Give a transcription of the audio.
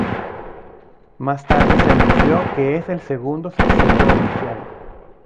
Más tarde se anunció que es el segundo sencillo oficial.